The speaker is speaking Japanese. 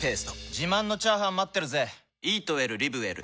自慢のチャーハン待ってるぜ！